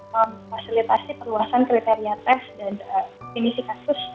memfasilitasi perluasan kriteria tes dan finisi kasus